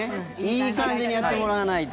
いい感じにやってもらわないと。